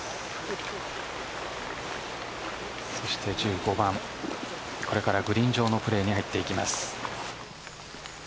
そして１５番これからグリーン上のプレーに入っていきます。